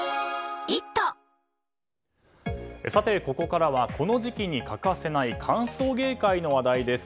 ここからはこの時期に欠かせない歓送迎会の話題です。